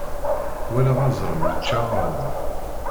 Walaɣ azrem yečča aɣerda.